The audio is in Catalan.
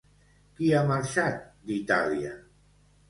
Qui ha marxat d'Itàlia?